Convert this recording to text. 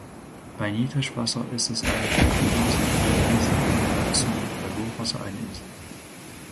Bei Niedrigwasser ist es eine Doppelinsel, Halbinsel oder Landzunge, bei Hochwasser eine Insel.